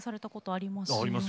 ありますよ。